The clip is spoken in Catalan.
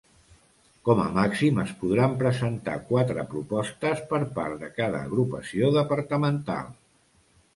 Com a màxim es podran presentar quatre propostes per part de cada agrupació departamental.